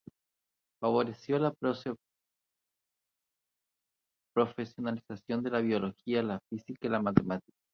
Favoreció la profesionalización de la Biología, la Física y la Matemática.